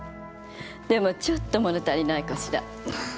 でもちょっともの足りないかしら。